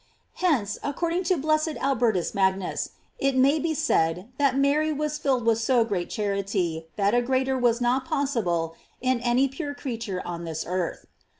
\ Hence, according to blessed Albertus Magnus, it may be said that Mary was filled with so great charity that a greater was not possible in any pure creature on this earth.